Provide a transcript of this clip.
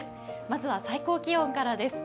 まずは最高気温からです。